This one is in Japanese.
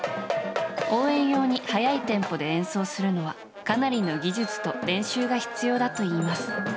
応援用に速いテンポで演奏するのはかなりの技術と練習が必要だといいます。